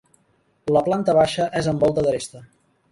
La planta baixa és amb volta d'aresta.